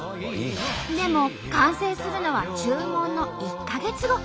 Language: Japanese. でも完成するのは注文の１か月後。